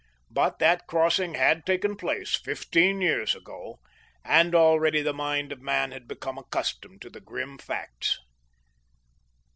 But that crossing had taken place fifteen years ago, and already the mind of man had become accustomed to the grim facts.